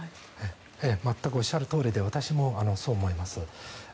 全くおっしゃるとおりで私もそう思います。